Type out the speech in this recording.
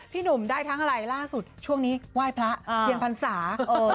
หนุ่มได้ทั้งอะไรล่าสุดช่วงนี้ไหว้พระเทียนพรรษา